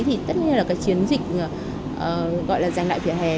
thì tất nhiên là cái chiến dịch gọi là giành lại vỉa hè